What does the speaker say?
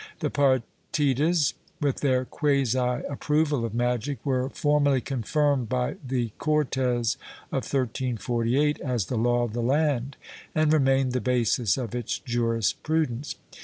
The Partidas, with their quasi approval of magic, were formally confirmed, by the Cortes of 1348, as the law of the land, and remained the basis of its jurisprudence.